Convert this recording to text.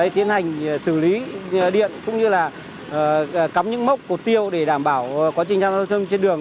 tiến hành xử lý điện cũng như là cắm những mốc cổ tiêu để đảm bảo quá trình hạt giao thông trên đường